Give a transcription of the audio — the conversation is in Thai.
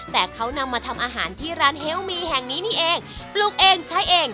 แต่เขานำมาทำอาหารที่ร้านเฮลมีแห่งนี้นี่เองปลูกเองใช้เอง